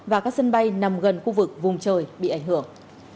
và các sân bay nằm gần khu vực vùng trời bị ảnh hưởng